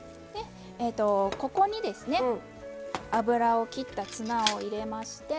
ここにですね油をきったツナを入れまして。